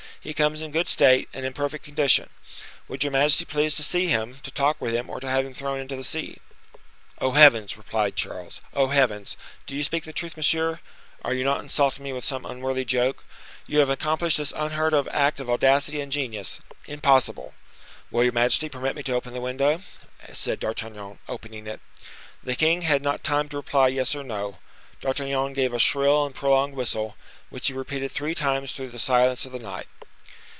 He comes in good state, and in perfect condition. Would your majesty please to see him, to talk with him, or to have him thrown into the sea?" "Oh, heavens!" repeated Charles, "oh, heavens! do you speak the truth, monsieur? Are you not insulting me with some unworthy joke? You have accomplished this unheard of act of audacity and genius—impossible!" "Will your majesty permit me to open the window?" said D'Artagnan, opening it. The king had not time to reply yes or no. D'Artagnan gave a shrill and prolonged whistle, which he repeated three times through the silence of the night.